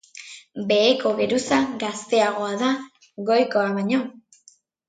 Beheko geruza gazteagoa da goikoa baino.